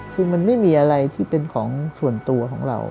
คือมันไม่มีอะไรที่เป็นของส่วนตัวของเรา